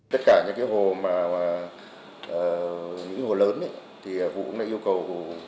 tất cả những hồ lớn vụ cũng yêu cầu